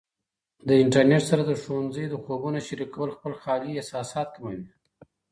د انټرنیټ سره د ښوونځي د خوبونو شریکول خپل خالي احساسات کموي.